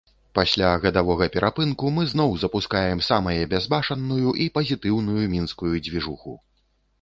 Пасля гадавога перапынку мы зноў запускаем самае бязбашанную і пазітыўную мінскую дзвіжуху!